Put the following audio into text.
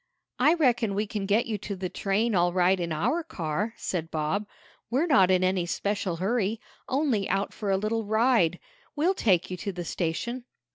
"I reckon we can get you to the train all right in our car," said Bob. "We're not in any special hurry only out for a little ride. We'll take you to the station."